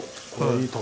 はい。